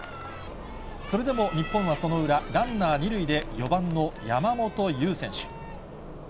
それでも日本はその裏、ランナー２塁で４番の山本優選手。